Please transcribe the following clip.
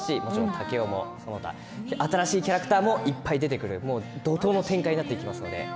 竹雄も新しいキャラクターもいっぱい出てくる怒とうの展開になります。